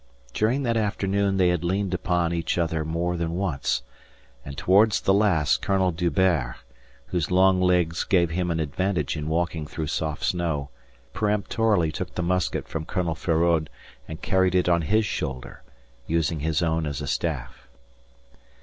During that afternoon they had leaned upon each other more than once, and towards the last Colonel D'Hubert, whose long legs gave him an advantage in walking through soft snow, peremptorily took the musket from Colonel Feraud and carried it on his shoulder, using his own as a staff.